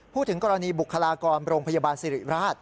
พูดถึงกรณีบุคลากรโรงพยาบาลสิริราช